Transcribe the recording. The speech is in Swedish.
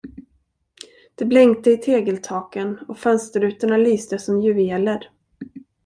Det blänkte i tegeltaken, och fönsterrutorna lyste som juveler.